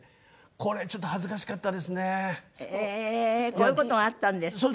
こういう事があったんですか。